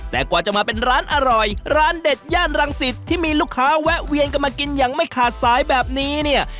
แต่กว่าจะมาเป็นร้านอร่อยร้านเด็ดย่านรังสิตที่มีลูกค้าแวะเวียนกันมากินอย่างไม่ขาดสายแบบนี้เนี่ย